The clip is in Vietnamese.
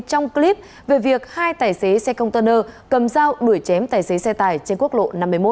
trong clip về việc hai tài xế xe công tân ơ cầm dao đuổi chém tài xế xe tải trên quốc lộ năm mươi một